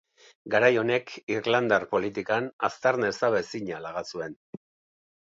Garai honek irlandar politikan aztarna ezabaezina laga zuen.